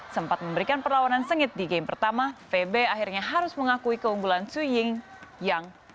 sempat memberikan perlawanan sengit di game pertama febe akhirnya harus mengakui keunggulan su ying yang